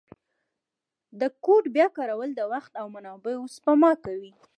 د کوډ بیا کارول د وخت او منابعو سپما کوي.